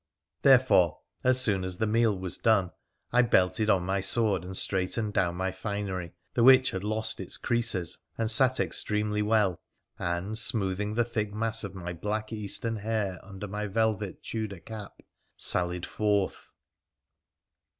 Therefore, as soon as the meal was done, I belted on my sword and straightened down my finery, the which had lost its creases and sat extremely well, and, smoothing the thick mass of my black Eastern hair under my velvet Tudor cap, sallied forth.